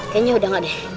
kayaknya udah nggak deh